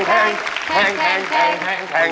แทงแทง